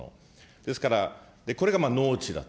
ですから、これが農地だと。